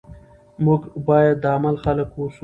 موږ باید د عمل خلک اوسو.